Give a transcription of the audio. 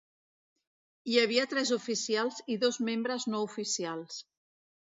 Hi havia tres oficials i dos membres no oficials.